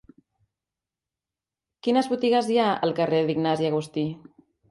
Quines botigues hi ha al carrer d'Ignasi Agustí?